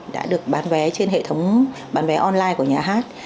đã được bán vé trên hệ thống bán vé online của nhà hát